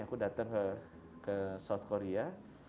aku datang ke south korea